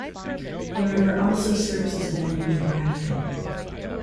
The river also serves as a venue for rafting.